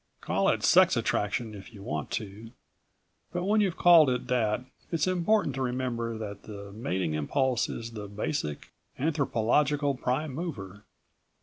Call it sex attraction if you want to, but when you've called it that it's important to remember that the mating impulse is the basic, anthropological prime mover.